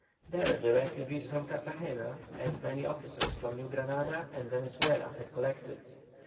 There the refugees from Cartagena, and many officers from New Granada and Venezuela had collected.